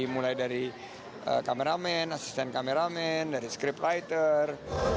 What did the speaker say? mulai dari kameramen asisten kameramen dari script writer